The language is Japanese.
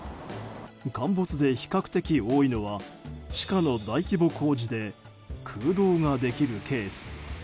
陥没で比較的多いのは地下の大規模工事で空洞ができるケース。